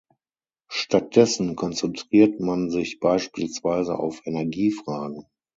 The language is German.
Stattdessen konzentriert man sich beispielsweise auf Energiefragen.